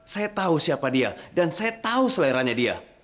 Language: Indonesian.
saya tau siapa dia dan saya tau seleranya dia